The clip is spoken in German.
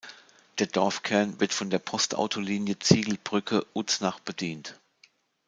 Der Dorfkern wird von der Postautolinie Ziegelbrücke–Uznach bedient.